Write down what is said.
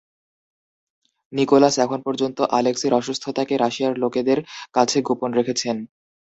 Nicolas এখন পর্যন্ত আলেক্সির অসুস্থতাকে রাশিয়ার লোকেদের কাছে গোপন রেখেছেন।